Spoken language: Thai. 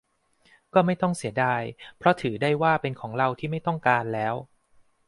ก็ไม่ต้องเสียดาย เพราะถือได้ว่าเป็นของเราที่ไม่ต้องการแล้ว